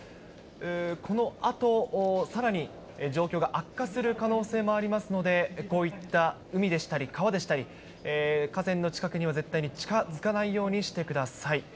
このあと、さらに状況が悪化する可能性もありますので、こういった海でしたり川でしたり、河川の近くには絶対に近づかないようにしてください。